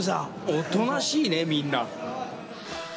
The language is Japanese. おとなしいね、みんな。